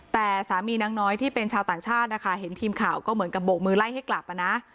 แต่สามีนางน้อยที่เป็นชาวต่างชาตินะคะเห็นทีมข่าวก็เหมือนกับโบกมือไล่ให้กลับอ่ะนะ